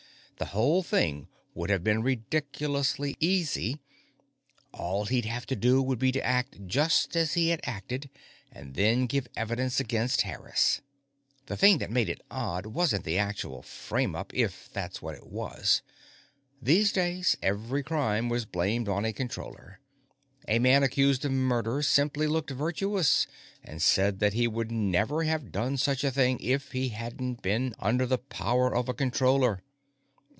The whole thing would have been ridiculously easy; all he'd have to do would be to act just as he had acted and then give evidence against Harris. The thing that made it odd wasn't the actual frame up (if that's what it was); these days, every crime was blamed on a Controller. A man accused of murder simply looked virtuous and said that he would never have done such a thing if he hadn't been under the power of a Controller.